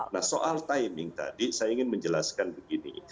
nah soal timing tadi saya ingin menjelaskan begini